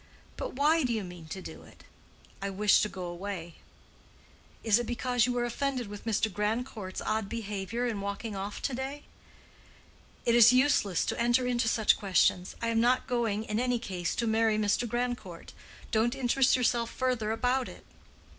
"But why do you mean to do it?" "I wish to go away." "Is it because you are offended with Mr. Grandcourt's odd behavior in walking off to day?" "It is useless to enter into such questions. I am not going in any case to marry Mr. Grandcourt. Don't interest yourself further about it."